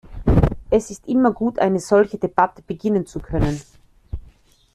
Es ist immer gut, eine solche Debatte beginnen zu können.